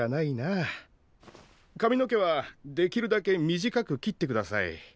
かみの毛はできるだけ短く切ってください。